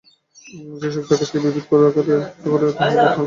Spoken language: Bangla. যে শক্তি আকাশকে এই বিবিধ আকারে পরিবর্তিত করে, তাহাই হইল প্রাণ।